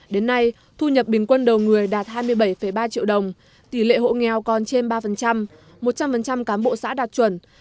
đến nay thu nhập bình quân đầu người đạt hai mươi bảy ba triệu đồng tỷ lệ hộ nghèo còn trên ba một trăm linh cán bộ xã đạt chuẩn